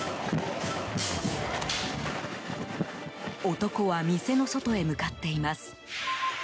男は店の外へ向かっています。